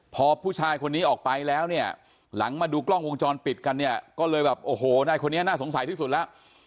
พอผู้ชายคนนี้ออกไปแล้วเนี่ยหลังมาดูกล้องวงจรปิดกันเนี่ยก็เลยแบบโอ้โหนายคนนี้น่าสงสัยที่สุดแล้ว